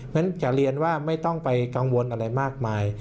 เพราะฉะนั้นจะเรียนว่าไม่ต้องไปกังวลอะไรมากมาย